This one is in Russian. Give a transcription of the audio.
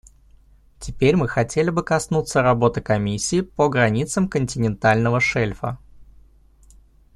Теперь мы хотели бы коснуться работы Комиссии по границам континентального шельфа.